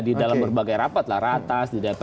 di dalam berbagai rapat lah ratas di dpr